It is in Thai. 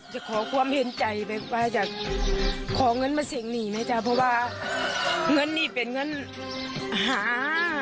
ขอความเห็นใจแบบว่าอยากขอเงินมาเสี่ยงหนี้ไหมจ๊ะเพราะว่าเงินนี่เป็นเงินหา